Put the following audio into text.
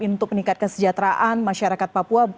untuk meningkat kesejahteraan masyarakat papua